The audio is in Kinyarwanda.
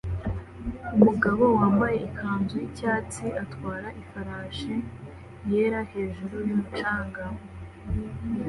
Umugabo wambaye ikanzu yicyatsi atwara ifarashi yera hejuru yumucanga